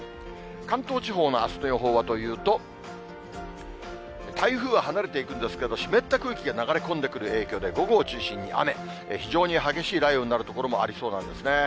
関東地方のあすの予報はというと、台風は離れていくんですけど、湿った空気が流れ込んでくる影響で、午後を中心に雨、非常に激しい雷雨になる所もありそうなんですね。